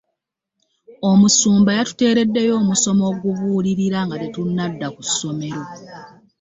Omusumba yatuteredeyo omusomo ogubulirira nga tetunada ku ssomero.